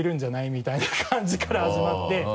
みたいな感じから始まって